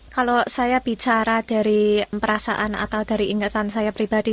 kalau saya bicara dari perasaan akal dari ingatan saya pribadi